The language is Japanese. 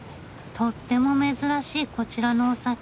とっても珍しいこちらのお酒。